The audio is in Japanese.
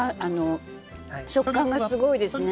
食感がすごいですね。